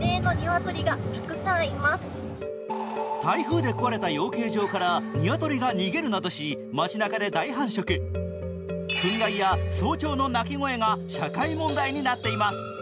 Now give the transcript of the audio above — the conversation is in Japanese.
台風で壊れた養鶏場からニワトリが逃げるなどし、街なかで大繁殖フン害や早朝の鳴き声が社会問題になっています。